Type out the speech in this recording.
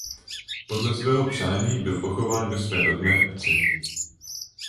Podle svého přání byl pochován ve své rodné obci.